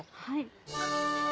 はい。